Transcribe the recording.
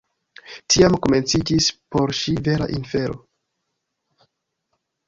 Tiam komenciĝis por ŝi vera infero.